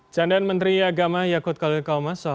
candaan menteri agama yakut kualis